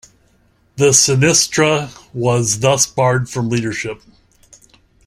The Sinistra was thus barred from leadership.